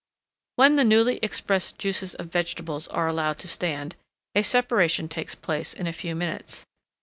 When the newly expressed juices of vegetables are allowed to stand, a separation takes place in a few minutes.